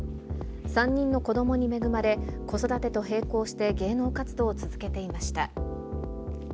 ３人の子どもに恵まれ、子育てと並行して芸能活動を続けていました。